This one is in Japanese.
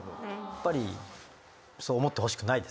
やっぱりそう思ってほしくない。